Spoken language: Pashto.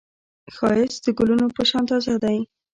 ښایست د ګلونو په شان تازه دی